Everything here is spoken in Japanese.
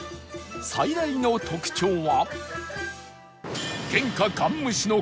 最大の特徴は